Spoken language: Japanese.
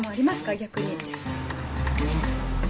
逆に。